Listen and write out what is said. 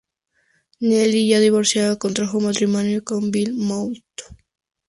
Nellie, ya divorciada, contrajo matrimonio con Bill Moulton.